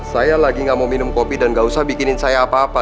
saya lagi gak mau minum kopi dan gak usah bikinin saya apa apa